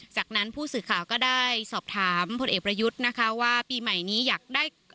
จากนั้นผู้สื่อข่าวก็ได้สอบถามพลเอกประยุทธ์นะคะว่าปีใหม่นี้อยากได้